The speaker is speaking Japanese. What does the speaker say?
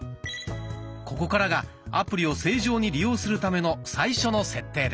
ここからがアプリを正常に利用するための最初の設定です。